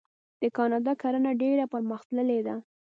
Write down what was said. د کاناډا کرنه ډیره پرمختللې ده.